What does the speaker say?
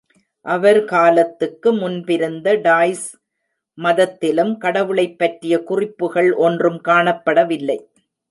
அவர் காலத்துக்கு முன்பிருந்த டாய்ஸ் மதத்திலும் கடவுளைப்பற்றிய குறிப்புகள் ஒன்றும் காணப்படவில்லை.